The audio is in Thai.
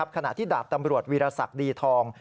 ขณะที่ดาบตำรวจวีรศักดิ์ดีทอง